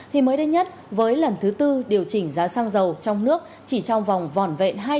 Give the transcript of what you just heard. thì mới đây nhất với lần thứ tư điều chỉnh giá xăng dầu trong nước chỉ trong vòng vòn vẹn hai